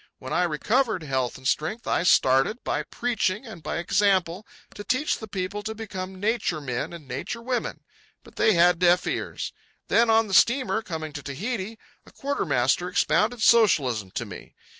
When I recovered health and strength, I started, by preaching and by example, to teach the people to become nature men and nature women. But they had deaf ears. Then, on the steamer coming to Tahiti, a quarter master expounded socialism to me.